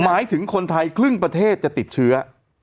หมายถึงคนไทยครึ่งประเทศจะติดเชื้อ